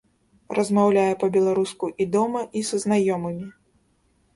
Размаўляе па-беларуску і дома, і са знаёмымі.